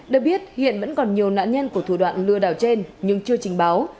được biết hiện vẫn còn nhiều nạn nhân của thủ đoạn lừa đảo trên nhưng chưa trình báo